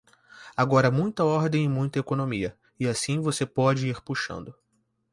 Agora muita ordem e muita economia, e assim você pode ir puxando.